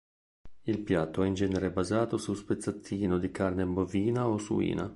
Il piatto è in genere basato su spezzatino di carne bovina o suina.